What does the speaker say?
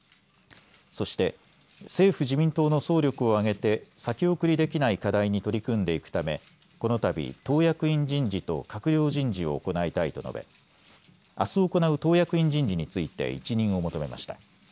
そして政府自民党の総力を挙げて先送りできない課題に取り組んでいくため、このたび党役員人事と閣僚人事を行いたいと述べあす行う党役員人事について一任を求めました。